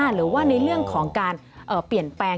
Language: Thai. หรือว่าในเรื่องของการเปลี่ยนแปลง